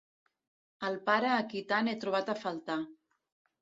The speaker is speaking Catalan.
El pare a qui tant he trobat a faltar.